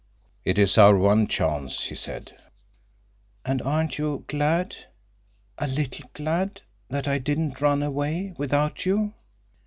"It is our one chance," he said. "And aren't you glad—a little glad—that I didn't run away without you?"